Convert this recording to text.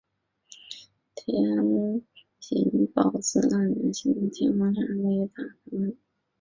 天平宝字二年孝谦天皇让位于大炊王。